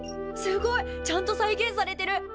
すごいちゃんと再現されてる！